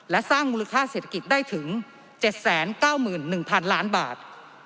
และสร้างมูลค่าเศรษฐกิจได้ถึง๗๙๑๐๐๐ล้านบาท